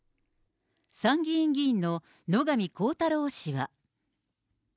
参議院議員の野上浩太郎氏は。